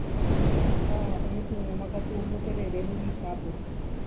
ha oñepyrũmakatu omboterere huvichápe.